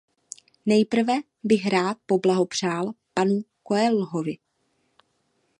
Nejprve bych rád poblahopřál panu Coelhovi.